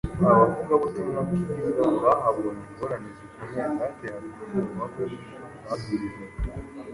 abavugabutumwa bwiza bahabonye ingorane zikomeye zateraga ubwoba abo babwirizaga